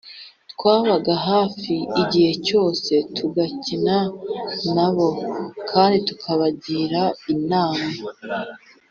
Twababaga hafi igihe cyose, tugakina na bo kandi tukabagira inama